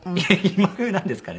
今風なんですかね？